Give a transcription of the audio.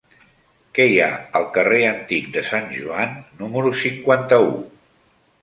Què hi ha al carrer Antic de Sant Joan número cinquanta-u?